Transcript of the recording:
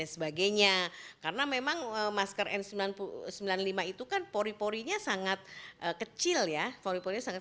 sebagainya karena memang masker n sembilan ratus sembilan puluh lima itu kan pori porinya sangat kecil ya pori porinya sangat